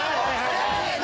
せの！